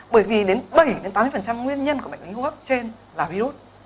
bởi vì đến bảy tám mươi nguyên nhân của bệnh lý hô hấp trên là virus